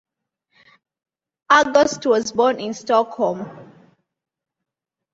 August was born in Stockholm.